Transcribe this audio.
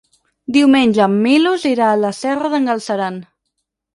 Diumenge en Milos irà a la Serra d'en Galceran.